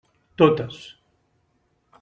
Totes.